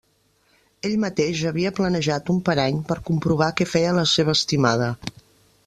Ell mateix havia planejat un parany per comprovar què feia la seva estimada.